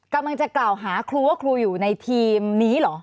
กำลังจะกล่าวหาครูว่าครูอยู่ในทีมนี้เหรอ